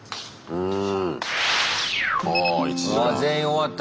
うん。